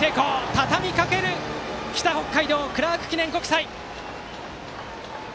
たたみかける北北海道・クラーク記念国際！